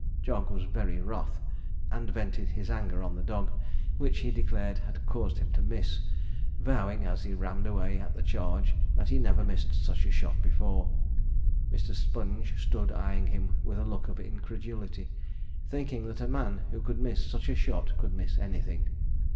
Jog was very wroth, and vented his anger on the dog, which, he declared, had caused him to miss, vowing, as he rammed away at the charge, that he never missed such a shot before. Mr. Sponge stood eyeing him with a look of incredulity, thinking that a man who could miss such a shot could miss anything.